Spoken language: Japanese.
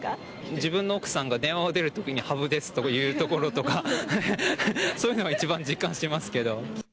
自分の奥さんが電話を出るときに、羽生ですというところとか、そういうのが一番実感してますけど。